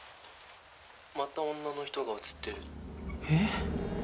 “また女の人が映ってる”」えっ？